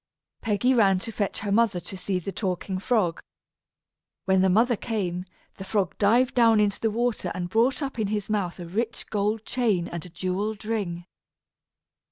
Peggy ran to fetch her mother to see the talking frog. When the mother came, the frog dived down into the water and brought up in his mouth a rich gold chain and a jewelled ring.